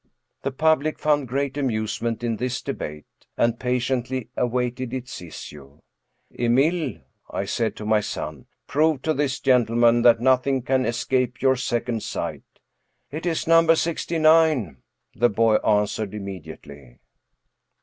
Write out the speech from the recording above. The public found great amusement in this debate, and patiently awaited its issue. 218 M. Robert'Houdin "Emile/* I said to my son, "prove to this gentleman that nothing can escape your second sight/' "It is number sixty nine," the boy answered, imme diately.